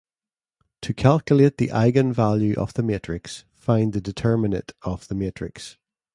To calculate the eigenvalue of the matrix, find the determinate of the matrix.